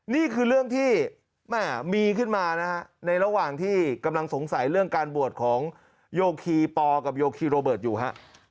นี่คือเรื่องที่แม่มีขึ้นมานะฮะในระหว่างที่กำลังสงสัยเรื่องการบวชของโยคีปอกับโยคีโรเบิร์ตอยู่ฮะ